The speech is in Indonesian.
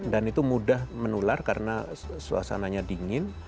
dan itu mudah menular karena suasananya dingin